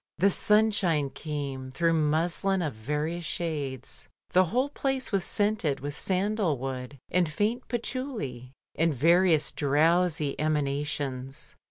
The simshine came through muslin of various shades, the whole place was scented with sandal wood, and faint patchouli, and various drowsy emanations.